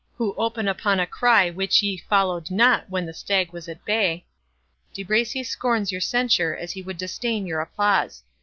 who open upon a cry which ye followed not when the stag was at bay—De Bracy scorns your censure as he would disdain your applause.